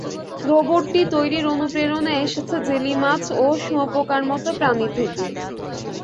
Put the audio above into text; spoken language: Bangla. রোবটটি তৈরির অনুপ্রেরণা এসেছে জেলি মাছ ও শুঁয়াপোকার মতো প্রাণী থেকে।